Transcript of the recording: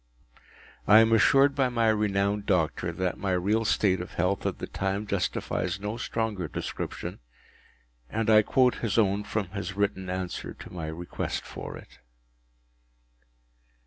” I am assured by my renowned doctor that my real state of health at that time justifies no stronger description, and I quote his own from his written answer to my request for it.